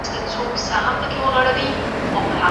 اسلام د ښه اخلاقو دین دی.